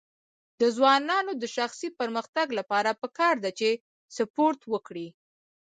د ځوانانو د شخصي پرمختګ لپاره پکار ده چې سپورټ وکړي.